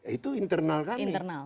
itu internal kami